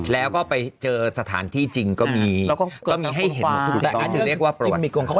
แล้วก็ไปเจอสถานที่จริงก็มีแล้วก็ก็มีให้เห็นแต่ก็จะเรียกว่าพิมิกของเขาก็